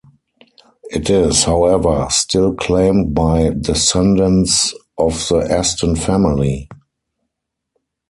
It is, however, still claimed by descendants of the Aston family.